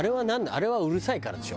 あれはうるさいからでしょ？